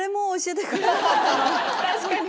確かに。